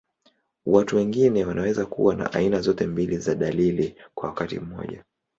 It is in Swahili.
Watu wengine wanaweza kuwa na aina zote mbili za dalili kwa wakati mmoja.